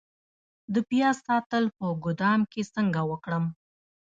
د پیاز ساتل په ګدام کې څنګه وکړم؟